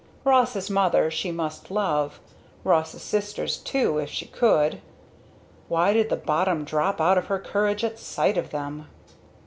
Ross's mother she must love. Ross's sisters too if she could. Why did the bottom drop out of her courage at sight of them?